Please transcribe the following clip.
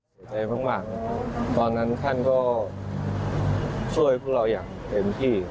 เสียใจมากตอนนั้นท่านก็ช่วยพวกเราอย่างเต็มที่